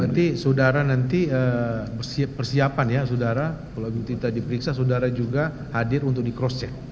berarti sudara nanti persiapan ya sudara kalau ibu tita diperiksa sudara juga hadir untuk di cross check